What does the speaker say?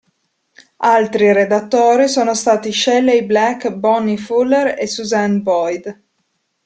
Altri redattori sono stati Shelley Black, Bonnie Fuller e Suzanne Boyd.